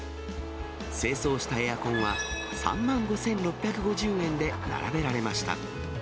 清掃したエアコンは３万５６５０円で並べられました。